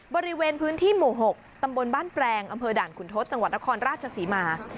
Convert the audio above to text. บริเวณพื้นที่หมู่๖ตำบลบ้านแปลงอำเภอด่านขุนทศจังหวัดนครราชศรีมา